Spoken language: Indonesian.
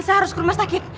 saya harus ke rumah sakit